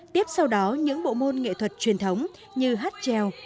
tiếp sau đó những bộ môn nghệ thuật truyền thống như hát trèo